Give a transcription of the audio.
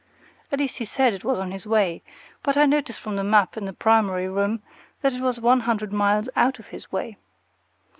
At least he said it was on his way, but I notice from the map in the primary room that it was one hundred miles out of his way.